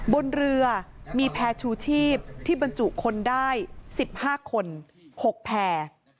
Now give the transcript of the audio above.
บนเรือมีแพทย์ชูชีพที่บรรจุคนได้สิบห้าคนหกแพ